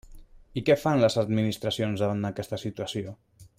I què fan les administracions davant aquesta situació?